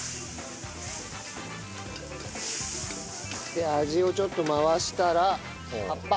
で味をちょっと回したら葉っぱ。